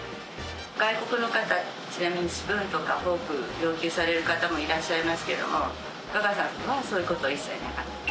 外国の方ちなみにスプーンとかフォーク要求される方もいらっしゃいますけどもガガさんはそういう事一切なかったです。